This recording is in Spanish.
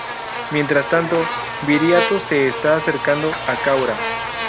Mientras tanto, Viriato se está acercando a Caura.